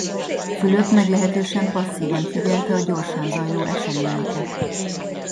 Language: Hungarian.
Fülöp meglehetősen passzívan figyelte a gyorsan zajló eseményeket.